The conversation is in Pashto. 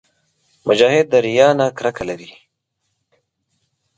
مجاهد د ریا نه کرکه لري.